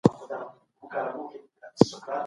په داسي وخت کي چټک فکر کول مهم دی.